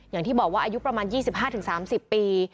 อย่างที่บอกว่าอายุประมาณ๒๕๓๐ปี